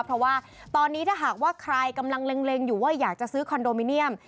เพราะว่าตอนนี้ถ้าหากว่าใครกำลังเล็งอยู่ว่าอยากจะซื้อคอนโดมิเนียม